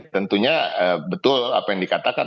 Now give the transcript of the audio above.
tentunya betul apa yang dikatakan